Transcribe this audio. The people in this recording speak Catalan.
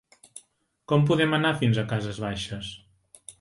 Com podem anar fins a Cases Baixes?